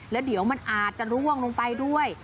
แล้วเดี๋ยวมันอาจจะร่วงลงไปด้วย